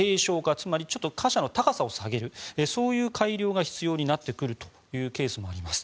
つまり貨車の高さを下げるそういう改良が必要になってくるというケースもあります。